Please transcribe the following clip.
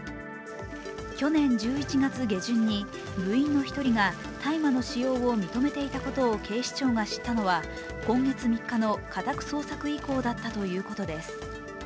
去年１１月下旬に部員の１人が大麻の使用を認めていたことを警視庁が知ったのは今月３日の家宅捜索以降だったということです。